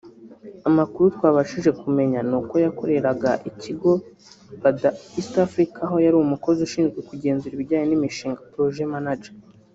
Amakuru twabashije kumenya ni uko yakoreraga Ikigo BurdaEastAfrica aho yari umukozi ushinzwe kugenzura ibijyanye n’imishinga (Project Manager)